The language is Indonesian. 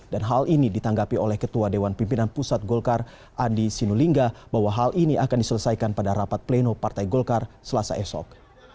dan hal ini ditanggapi oleh ketua dewan pimpinan pusat golkar andi sinulinga bahwa hal ini akan diselesaikan pada rapat pleno partai golkar selasa esok